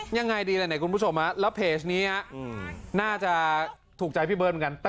ยังไงดีล่ะเนี่ยคุณผู้ชมแล้วเพจนี้น่าจะถูกใจพี่เบิร์ตเหมือนกัน